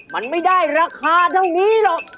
มันไม่ได้ราคาเท่านี้หรอก